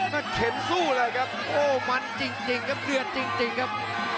เข็นสู้เลยครับโอ้มันจริงครับเดือดจริงครับ